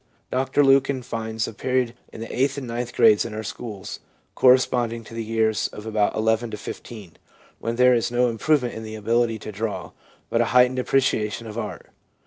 Dr Lukens 1 finds a period in the 8th and 9th grades in our schools corresponding to the years of about 11 to 15, when there is no improvement in the ability to draw, but a heightened appreciation of art.